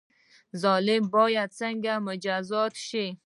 ظالم باید څنګه مجازات شي؟